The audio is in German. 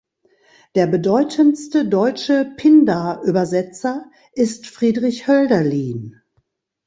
Der bedeutendste deutsche Pindar-Übersetzer ist Friedrich Hölderlin.